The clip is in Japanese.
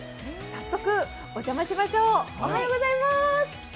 早速お邪魔しましょう、おはようございます。